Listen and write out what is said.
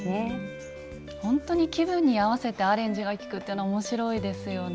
ほんとに気分に合わせてアレンジが利くっていうの面白いですよね。